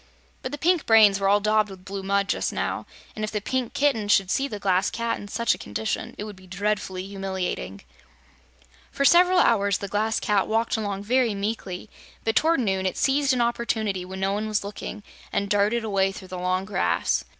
But the pink brains were all daubed with blue mud, just now, and if the Pink Kitten should see the Glass Cat in such a condition, it would be dreadfully humiliating. For several hours the Glass Cat walked along very meekly, but toward noon it seized an opportunity when no one was looking and darted away through the long grass.